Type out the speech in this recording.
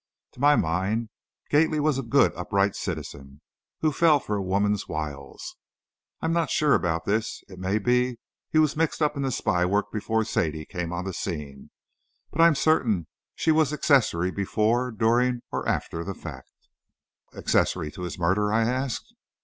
To my mind, Gately was a good, upright citizen, who fell for a woman's wiles. I'm not sure about this, it may be he was mixed up in spy work before Sadie came on the scene, but I'm certain she was accessory before, during, or after the fact." "Accessory to his murder?" I asked.